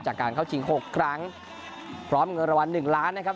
จากการเข้าชิงหกครั้งพร้อมเงินรางวัลหนึ่งล้านนะครับ